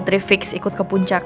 putri fix ikut ke puncak